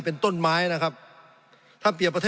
สงบจนจะตายหมดแล้วครับ